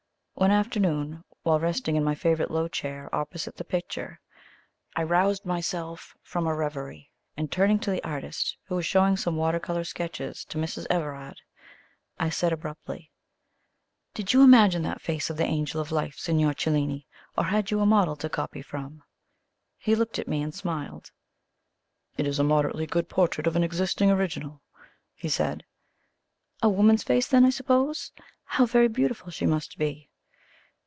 One afternoon, while resting in my favourite low chair opposite the picture, I roused myself from a reverie, and turning to the artist, who was showing some water colour sketches to Mrs. Everard, I said abruptly: "Did you imagine that face of the Angel of Life, Signor Cellini, or had you a model to copy from?" He looked at me and smiled. "It is a moderately good portrait of an existing original," he said. "A woman's face then, I suppose? How very beautiful she must be!"